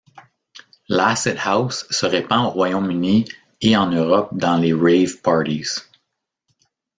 L'acid house se répand au Royaume-Uni et en Europe dans les rave parties.